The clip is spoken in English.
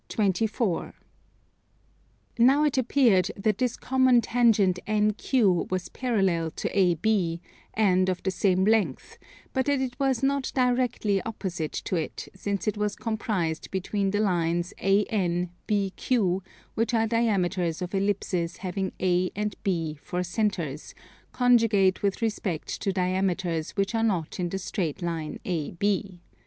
Now it appeared that this common tangent NQ was parallel to AB, and of the same length, but that it was not directly opposite to it, since it was comprised between the lines AN, BQ, which are diameters of ellipses having A and B for centres, conjugate with respect to diameters which are not in the straight line AB.